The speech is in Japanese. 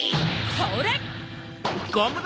それ！